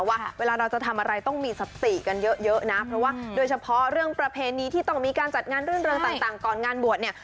ว่าเวลาเราจะทำอะไรต้องมีสติกันเยอะนะเพราะว่าโดยเฉพาะเรื่องประเพณีที่ต้องมีการจัดงานรื่นเริงต่างก่อนงานบวชเนี่ย